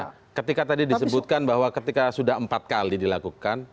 nah ketika tadi disebutkan bahwa ketika sudah empat kali dilakukan